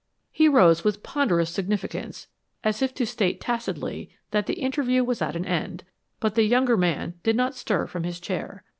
He rose with ponderous significance as if to state tacitly that the interview was at an end, but the younger man did not stir from his chair.